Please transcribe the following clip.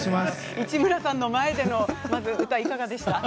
市村さんの前での歌はいかがでしたか。